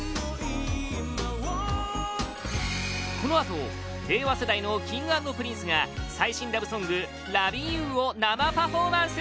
このあと令和世代のＫｉｎｇ＆Ｐｒｉｎｃｅが最新ラブソング「Ｌｏｖｉｎ’ｙｏｕ」を生パフォーマンス！